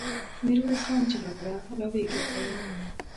ميرويس خان چيغه کړه! را ويې ګرځوئ!